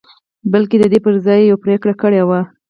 بلکې د دې پر ځای يې يوه پرېکړه کړې وه.